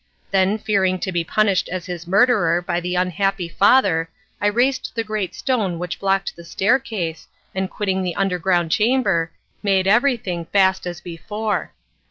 Then, fearing to be punished as his murderer by the unhappy father, I raised the great stone which blocked the staircase, and quitting the underground chamber, made everything fast as before.